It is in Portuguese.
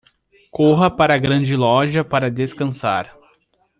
Corra para a grande loja para descansar